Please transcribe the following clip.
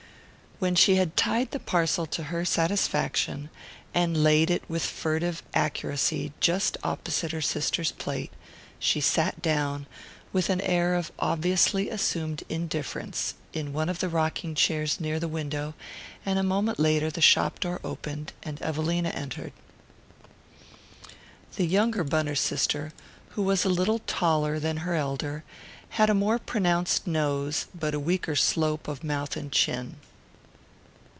When she had tied the parcel to her satisfaction, and laid it with furtive accuracy just opposite her sister's plate, she sat down, with an air of obviously assumed indifference, in one of the rocking chairs near the window; and a moment later the shop door opened and Evelina entered. The younger Bunner sister, who was a little taller than her elder, had a more pronounced nose, but a weaker slope of mouth and chin.